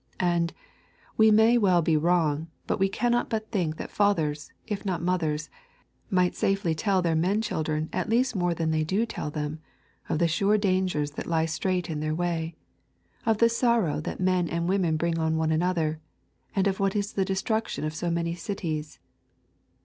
And, we may well be wrong, but we cannot but think that fathers, if not mothers, might safely tell their men children at least more than they do tell them of the sure dangers that lie straight in their way, of the sorrow that men and women bring on one another, and of what is the destruction of so many cities.